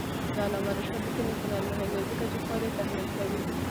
د علامه رشاد لیکنی هنر مهم دی ځکه چې پایلې تحلیل کوي.